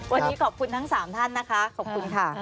วันนี้ขอบคุณทั้ง๓ท่านนะคะขอบคุณค่ะ